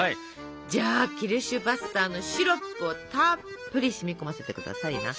じゃあキルシュヴァッサーのシロップをたっぷり染み込ませて下さいな。